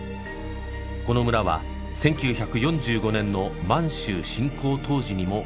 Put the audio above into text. この村は１９４５年の満州侵攻当時にもあったのか。